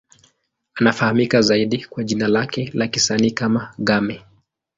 Anafahamika zaidi kwa jina lake la kisanii kama Game.